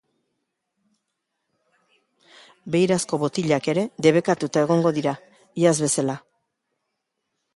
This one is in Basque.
Beirazko botillak ere debekatuta egongo dira, iaz bezala.